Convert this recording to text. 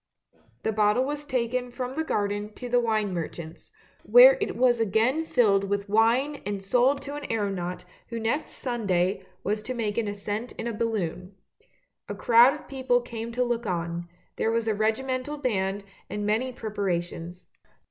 The bottle was taken from the garden to the wine merchant's, where it was again filled with wine and sold to an aeronaut who next Sunday was to make an ascent in a balloon. A crowd of people came to look on ; there was a regimental band and many preparations.